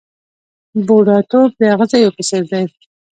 بوډاتوب د اغزیو په څېر دی .